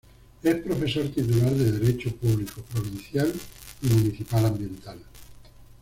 Es profesor titular de Derecho Público Provincial y Municipal Ambiental.